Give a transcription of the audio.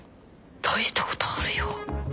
大したことあるよ。